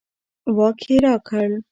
واک یې راکړ.